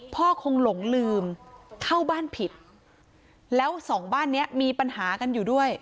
พ่อคงหลงลืมเข้าบ้านผิดแล้วสองบ้านเนี้ยมีปัญหากันอยู่ด้วย